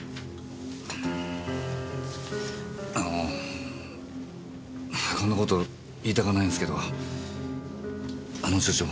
あのこんな事言いたかないんすけどあの調書